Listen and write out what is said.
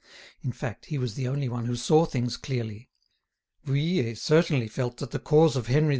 In fact, he was the only one who saw things clearly. Vuillet certainly felt that the cause of Henry V.